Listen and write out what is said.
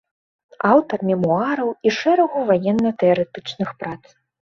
Аўтар мемуараў і шэрагу ваенна-тэарэтычных прац.